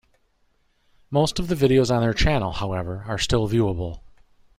Most of the videos on their channel, however, are still viewable.